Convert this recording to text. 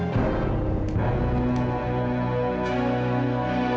gara gara masalah ini